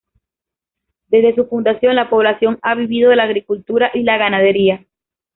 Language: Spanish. Desde su fundación, la población ha vivido de la agricultura y la ganadería.